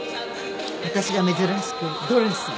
私が珍しくドレスで。